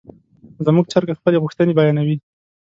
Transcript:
زموږ چرګه خپلې غوښتنې بیانوي.